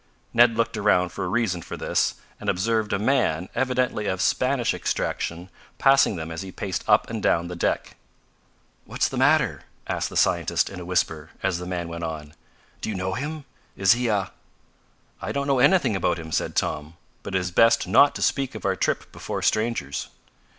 Ned looked around for a reason for this, and observed a man, evidently of Spanish extraction, passing them as he paced up and down the deck. "What's the matter?" asked the scientist in a whisper, as the man went on. "Do you know him? Is he a ?" "I don't know anything about him," said Tom; "but it is best not to speak of our trip before strangers."